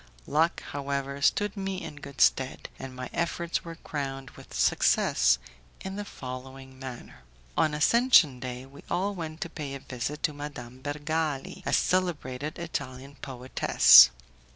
Luck, however, stood me in good stead, and my efforts were crowned with success in the following manner. On Ascension Day, we all went to pay a visit to Madame Bergali, a celebrated Italian poetess.